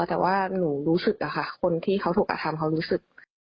แต่ว่าหนูรู้สึกอะค่ะคนที่เขาถูกกระทำเขารู้สึก